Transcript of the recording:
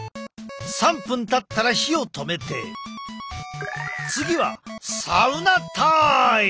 ３分たったら火を止めて次はサウナタイム！